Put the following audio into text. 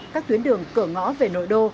các tuyến đường cửa ngõ về nội đô